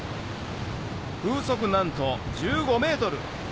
風速なんと１５メートル